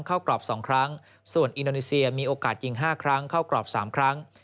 กรอบ๒ครั้งส่วนอินโดนีเซียมีโอกาสยิง๕ครั้งเข้ากรอบ๓ครั้ง